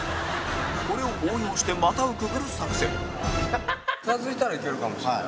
これを応用して股をくぐる作戦近付いたらいけるかもしれない。